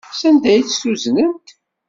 Sanda ay tt-uznent?